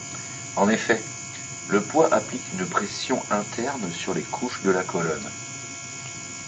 En effet, le poids applique une pression interne sur les couches de la colonne.